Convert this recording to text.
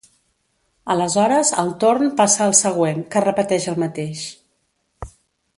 Aleshores el torn passa al següent, que repeteix el mateix.